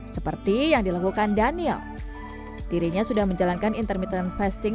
seperti yang dilakukan daniel dirinya sudah menjalankan intermittent fasting